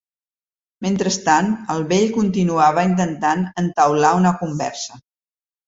Mentrestant, el vell continuava intentant entaular una conversa.